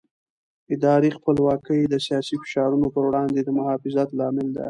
اداري خپلواکي د سیاسي فشارونو پر وړاندې د محافظت لامل ده